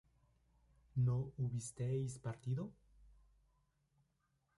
¿no hubisteis partido?